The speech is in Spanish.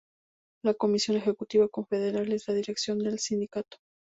La "Comisión Ejecutiva Confederal" es la dirección del sindicato.